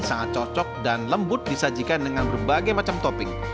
sangat cocok dan lembut disajikan dengan berbagai macam topping